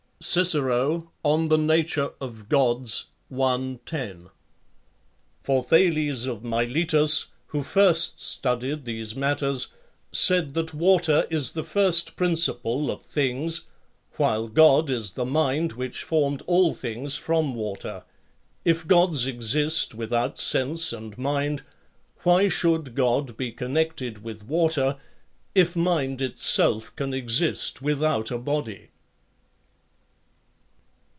(Philodemos) Cic. de Nat. Deor. i. 10; Dox. 581. For Thales of Miletos, who first studied these matters, said that water is the first principle of things, while god is the mind which formed all things from water. If gods exist without sense and mind, why should god be connected with water, if mind itself can exist without a body